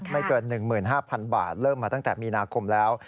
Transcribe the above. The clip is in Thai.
ไม่เกิน๑๕๐๐๐บาทเริ่มมาตั้งแต่มีนาคมแล้ว